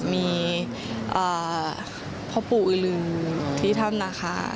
มีพ่อปู่อือลือที่ถ้ำนาคา